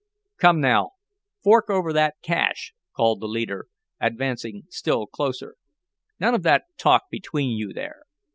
"Come now, fork over that cash!" called the leader, advancing still closer. "None of that talk between you there.